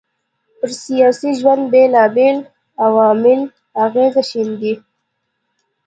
پر سياسي ژوند بېلابېل عوامل اغېز ښېندي